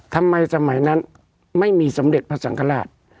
ทำไมสมัยนั้นไม่มีสมเด็จพระสังฆราช